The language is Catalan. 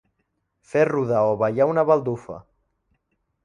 Fer rodar o ballar una baldufa.